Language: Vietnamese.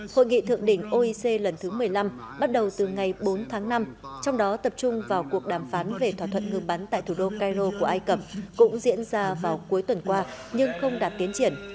hội nghị thượng đỉnh oec lần thứ một mươi năm bắt đầu từ ngày bốn tháng năm trong đó tập trung vào cuộc đàm phán về thỏa thuận ngừng bắn tại thủ đô cairo của ai cập cũng diễn ra vào cuối tuần qua nhưng không đạt tiến triển